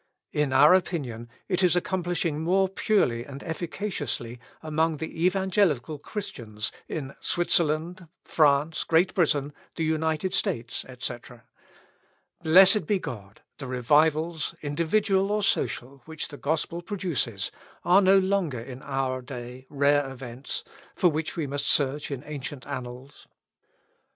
In our opinion, it is accomplishing it more purely and efficaciously among the evangelical Christians in Switzerland, France, Great Britain, the United States, etc. Blessed be God, the revivals, individual or social, which the Gospel produces, are no longer in our day rare events, for which we must search in ancient annals!